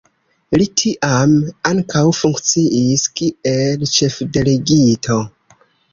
Li tiam ankaŭ funkciis kiel ĉefdelegito.